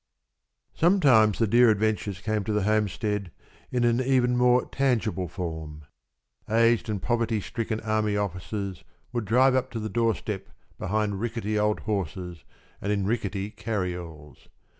Sometimes the dear adventures came to the homestead in an even more tangible form. Aged and poverty stricken army officers would drive up to the doorstep behind rickety old horses and in rickety carryalls.